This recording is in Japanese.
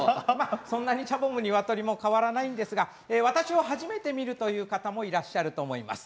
そんなにチャボもにわとりも変わらないんですが私初めて見るという方もいらっしゃると思います。